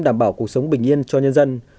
đảm bảo cuộc sống bình yên cho nhân dân